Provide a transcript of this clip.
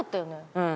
うん。